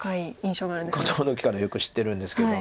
子どもの時からよく知ってるんですけど。